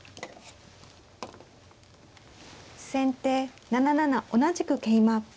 先手７七同じく桂馬。